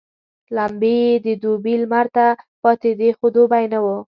لمبې يې د دوبي لمر ته پاتېدې خو دوبی نه وو.